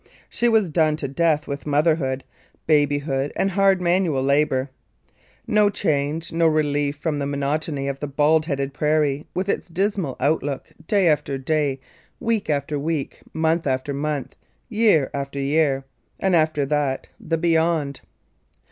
She was done to death with motherhood, baby hood, and hard manual labour. No change, no relief from the monotony of the bald headed prairie with its dismal outlook, day after day, week after week, month after month, year after year, and after that "the Beyond."